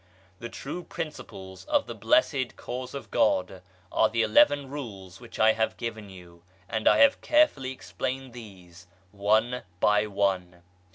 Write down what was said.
The true principles of the blessed Cause of God are the eleven rules which I have given you, and I have carefully explained these, one by one.